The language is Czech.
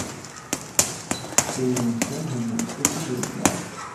Přeji jim všem hodně úspěchů v jejich práci.